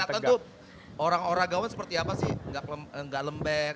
jadi kelihatan tuh orang orang gawang seperti apa sih gak lembek